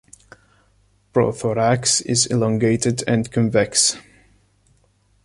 Prothorax is elongated and convex.